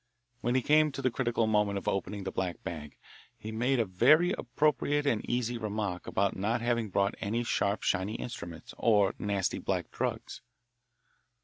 When he came to the critical moment of opening the black bag, he made a very appropriate and easy remark about not having brought any sharp shiny instruments or nasty black drugs.